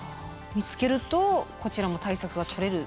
見つけるとこちらも対策がとれる。